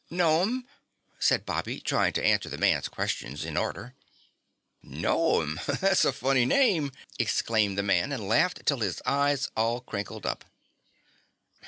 "No'm," said Bobby, trying to answer the man's questions in order. "No'm! That's a funny name!" exclaimed the man and laughed till his eyes all crinkled up.